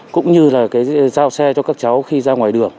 cũng như là cái giao xe cho các cháu khi ra ngoài đường